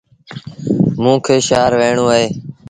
موݩ کي شآهر وهيٚڻون اهي